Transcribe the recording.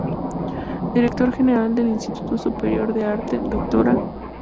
Director general del Instituto Superior de Arte "Dra.